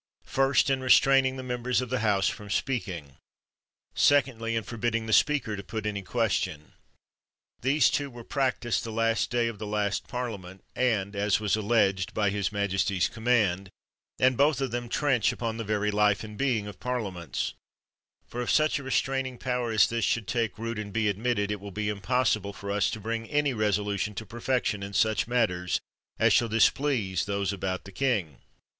First, in restraining the members of the House from speaking. Secondly, in forbid ding the Speaker to put any question. These two were practised the last day of the last Parliament (and, as was alleged, by his majesty's command), and both of them trench upon the very life and being of parliaments ; for if such a restraining power as this should take root, and be admitted, it will be impossible for us to bring any resolution to perfection in such matters as shall displease those about the king.